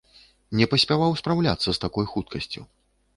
Не паспяваў спраўляцца з такой хуткасцю.